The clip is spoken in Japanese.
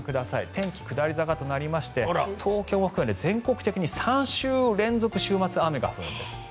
天気下り坂となりまして東京を含めて全国的に３週連続、週末雨が降るんです。